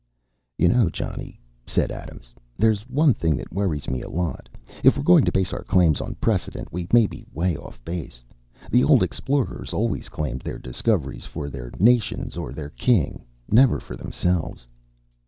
"You know, Johnny," said Adams, "there's one thing that worries me a lot. If we're going to base our claim on precedent, we may be way off base. The old explorers always claimed their discoveries for their nations or their king, never for themselves."